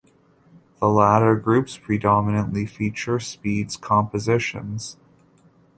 The latter groups predominantly feature Speed's compositions.